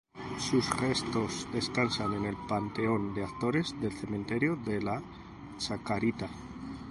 Sus restos descansan en el Panteón de Actores del cementerio de la Chacarita.